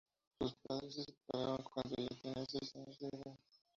Sus padres se separaron cuando ella tenía seis años de edad.